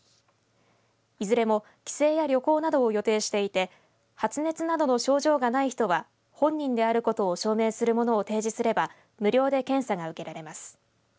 いずれも帰省や旅行などを予定していて発熱などの症状がない人は本人であることを証明するものを提示すれば無料で検査が受けられます。